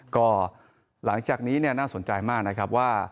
ก็หลังจากนี้น่าสนใจมากนะครับว่า